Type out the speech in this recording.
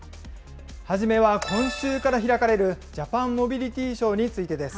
初めは今週から開かれる、ジャパンモビリティショーについてです。